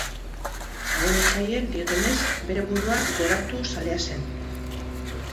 Haren etsaiek diotenez, bere burua goratu zalea zen.